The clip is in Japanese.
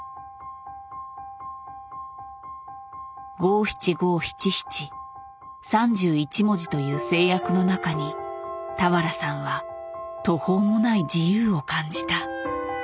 五七五七七３１文字という制約の中に俵さんは途方もない自由を感じた。